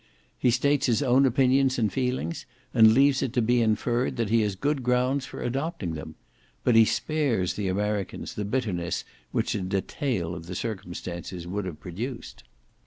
He states his own opinions and feelings, and leaves it to be inferred that he has good grounds for adopting them; but he spares the Americans the bitterness which a detail of the circumstances would have produced.